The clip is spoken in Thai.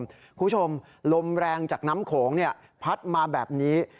คุณผู้ชมลมแรงจากน้ำโขงพัดมาแบบนี้